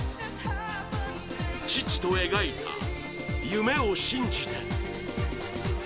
父と描いた夢を信じて。